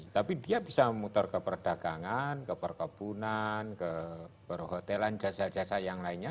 tapi dia bisa memutar ke perdagangan ke perkebunan ke perhotelan jasa jasa yang lainnya